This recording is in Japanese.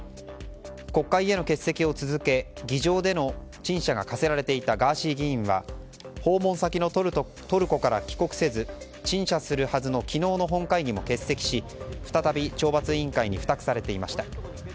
国会への欠席を続け議場での陳謝が科せられていたガーシー議員は訪問先のトルコから帰国せず陳謝するはずの昨日の本会議も欠席し再び懲罰委員会に付託されていました。